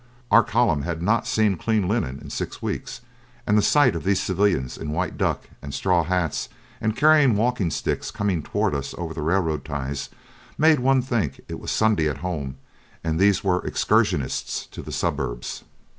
Our column had not seen clean linen in six weeks, and the sight of these civilians in white duck and straw hats, and carrying walking sticks, coming toward us over the railroad ties, made one think it was Sunday at home and these were excursionists to the suburbs.